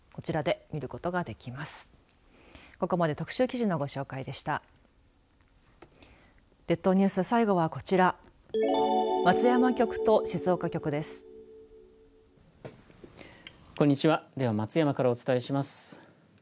では松山からお伝えします。